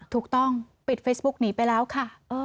ถูกต้องปิดเฟซบุ๊กหนีไปแล้วค่ะ